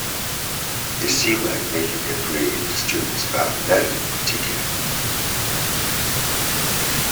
It seems like making a great disturbance about nothing particular.